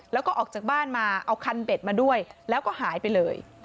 แล้วก็ออกจากบ้านมาเอาคันเบ็ดมาด้วยแล้วก็หายไปเลย